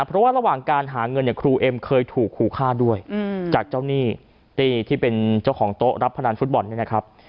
เพราะว่าระหว่างการหาเงินเนี่ยครูเอ็มเคยถูกขู่ฆ่าด้วยจากเจ้าหนี้ตี้ที่เป็นเจ้าของโต๊ะรับพนันฟุตบอลเนี่ยนะครับ